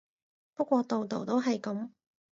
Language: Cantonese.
不過度度都係噉